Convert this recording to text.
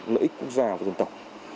lợi ích quốc gia và dân tộc